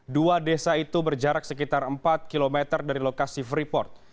dua desa itu berjarak sekitar empat km dari lokasi freeport